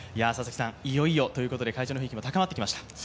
いよいよということで会場の雰囲気も高まってきました。